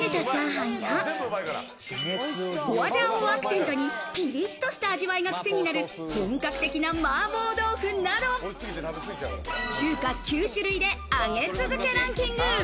花椒をアクセントに、ピリッとした味わいがクセになる本格的なマーボー豆腐など、中華９種類で上げ続けランキング。